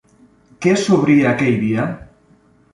Què s'obria aquell dia?